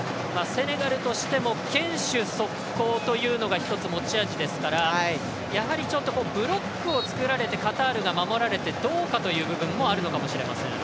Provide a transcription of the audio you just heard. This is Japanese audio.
セネガルとしても堅守速攻というのが一つ持ち味ですからやはりブロックを作られてカタールが守られてどうかという部分もあるのかもしれません。